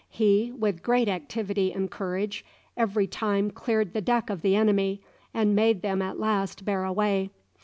He, with great activity and courage, every time cleared the deck of the enemy, and made them at last bear away.